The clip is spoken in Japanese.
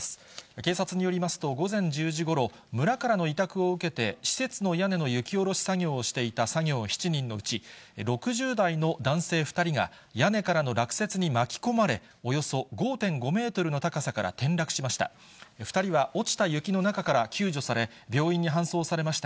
警察によりますと、午前１０時ごろ、村からの委託を受けて施設の屋根の雪下ろし作業をしていた作業７人のうち、６０代の男性２人が、屋根からの落雪に巻き込まれ、およそ５．５メートルの高さから転落しました。